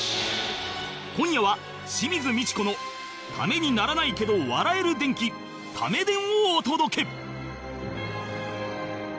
今夜は清水ミチコのタメにならないけど笑える伝記タメ伝をお届け